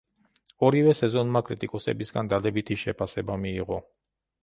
ორივე სეზონმა კრიტიკოსებისაგან დადებითი შეფასება მიიღო.